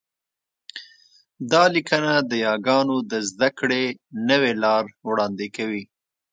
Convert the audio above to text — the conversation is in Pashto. دا لیکنه د یاګانو د زده کړې نوې لار وړاندې کوي